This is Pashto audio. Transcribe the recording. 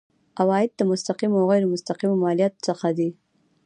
عواید د مستقیمو او غیر مستقیمو مالیاتو څخه دي.